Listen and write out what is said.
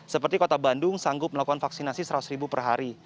seperti kota bandung sanggup melakukan vaksinasi seratus ribu per hari